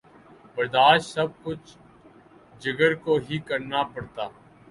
برداشت سب کچھ جگر کو ہی کرنا پڑتا۔